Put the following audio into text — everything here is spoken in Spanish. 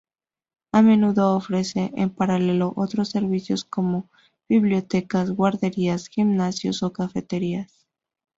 A menudo ofrecen en paralelo otros servicios como, bibliotecas, guarderías, gimnasios o cafeterías.